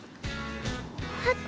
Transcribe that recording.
あった。